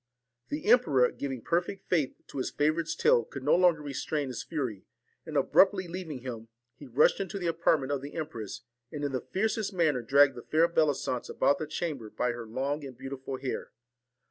The emperor giving perfect faith to his favourite's tale could no longer restrain his fury ; and abruptly leaving him, he rushed into the apartment of the empress, and in the fiercest manner dragged the fair Bellisance about the chamber by her long and beautiful hair.